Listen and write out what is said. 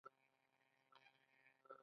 ځغاسته د سستۍ ضد ده